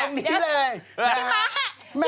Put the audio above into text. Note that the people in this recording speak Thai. อะไรเนี่ยพี่ม๊าอ่ะ